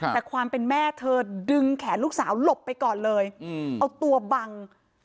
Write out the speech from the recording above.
แต่ความเป็นแม่เธอดึงแขนลูกสาวหลบไปก่อนเลยเอาตัวบัง